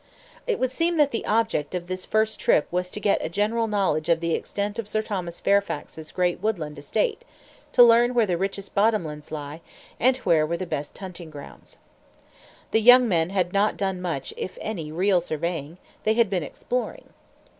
It would seem that the object of this first trip was to get a general knowledge of the extent of Sir Thomas Fairfax's great woodland estate to learn where the richest bottom lands lay, and where were the best hunting grounds. The young men had not done much if any real surveying; they had been exploring.